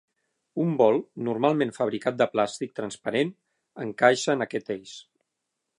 Un bol, normalment fabricat de plàstic transparent, encaixa en aquest eix.